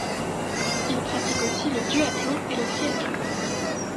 Il pratique aussi le duathlon et le triathlon.